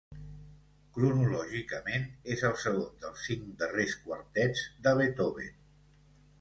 Cronològicament, és el segon dels cinc darrers quartets de Beethoven.